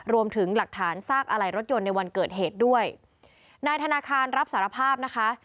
รวมถึงหลักฐานซากอะไรรถยนต์ในวันเกิดเหตุด้วยนายธนาคารรับสารภาพนะคะ